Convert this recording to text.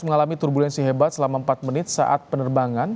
mengalami turbulensi hebat selama empat menit saat penerbangan